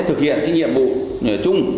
thực hiện những nhiệm vụ